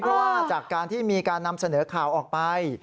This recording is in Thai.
เพราะว่าจากการที่มีการนำเสนอข่าวออกไป